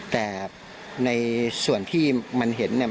แต่ในส่วนที่มันเห็นเนี่ย